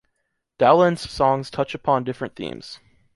Dowland’s songs touch upon different themes.